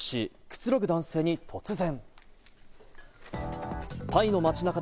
くつろぐ男性に突然。